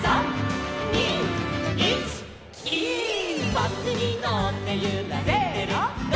「バスにのってゆられてる」せの！